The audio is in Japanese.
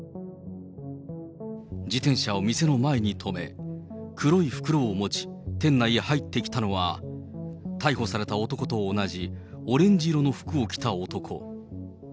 自転車を店の前に止め、黒い袋を持ち、店内へ入ってきたのは、逮捕された男と同じオレンジ色の服を着た男。